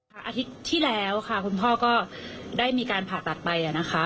อาทิตย์ที่แล้วค่ะคุณพ่อก็ได้มีการผ่าตัดไปนะคะ